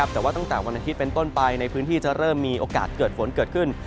แต่ว่าตั้งแต่วันอาทิตย์เป็นต้นไปในพื้นที่จะเริ่มมีโอกาสเกิดฝนเกิดขึ้น